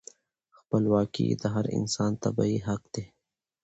خپلواکي د هر انسان طبیعي حق دی.